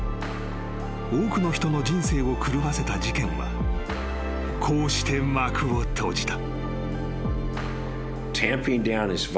［多くの人の人生を狂わせた事件はこうして幕を閉じた］